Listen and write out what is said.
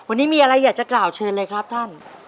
วันนี้มีอะไรอยากจะกล่าวเชิญเลยครับท่าน